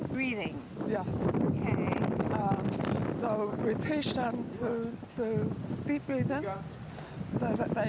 dan juga olimpiade